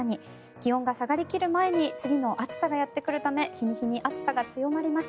気温が下がり切る前に次の暑さがやってくるため日に日に暑さが強まります。